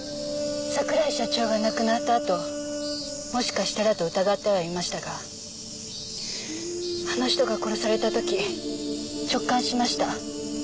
桜井社長が亡くなったあともしかしたらと疑ってはいましたがあの人が殺された時直感しました。